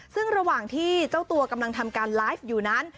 ซึ่งระหว่างที่เจ้าตัวกำลังทำการไลฟ์อยู่นั้น